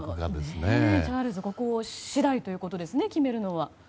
チャールズ国王次第ということですね、決めるのは。